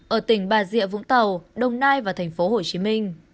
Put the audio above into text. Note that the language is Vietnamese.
ở tỉnh bà diệ vũng tàu đông nai và tp hcm